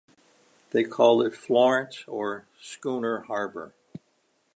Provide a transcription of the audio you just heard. They called it Florence or Schooner Harbor.